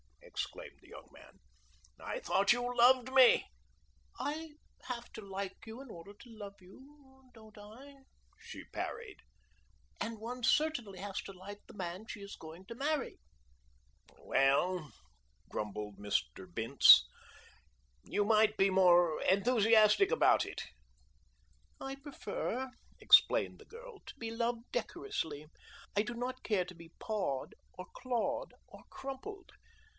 exclaimed the young man. "I thought you loved me." "I have to like you in order to love you, don't I?" she parried. "And one certainly has to like the man she is going to marry." "Well," grumbled Mr. Bince, "you might be more enthusiastic about it." "I prefer," explained the girl, "to be loved decorously. I do not care to be pawed or clawed or crumpled.